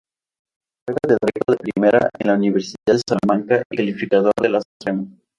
Fue catedrático de primera en la Universidad de Salamanca y calificador de la suprema.